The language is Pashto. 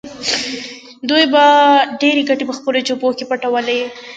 دوی به ډېرې ګټې په خپلو جېبونو کې پټولې